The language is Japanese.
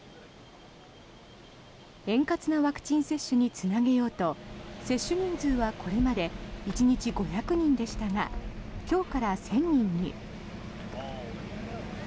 円滑なワクチン接種につなげようと接種人数はこれまで１日５００人でしたが今日から１０００人に。